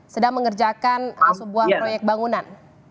sedang mengerjakan sebuah proyek bangunan